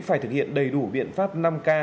phải thực hiện đầy đủ biện pháp năm k